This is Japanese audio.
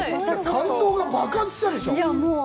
感動が爆発したでしょう？